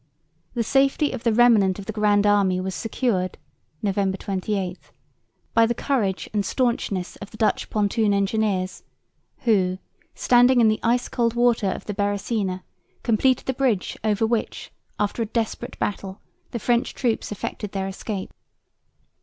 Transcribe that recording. The safety of the remnant of the Grand Army was secured (November 28) by the courage and staunchness of the Dutch pontoon engineers, who, standing in the ice cold water of the Beresina, completed the bridge over which, after a desperate battle, the French troops effected their escape.